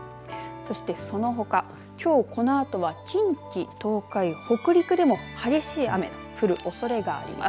そして、そのほかきょう、このあとは近畿、東海、北陸でも激しい雨の降るおそれがあります。